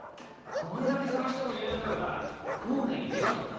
これだけ捜してもいねえんだから校外に出ちまったんだよ。